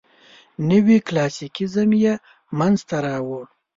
نوي کلاسیکیزم یې منځ ته راوړ.